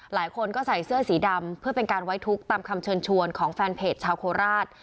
หลายคนก็ใส่เสื้อสีดำเพื่อเป็นการไว้ทุกข์ตามคำเชิญชวนของแฟนเพจชาวโคราช